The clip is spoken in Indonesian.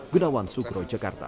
gunawan sugro jakarta